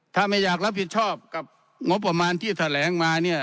ถ้าไม่อยากรับผิดชอบกับงบประมาณที่แถลงมาเนี่ย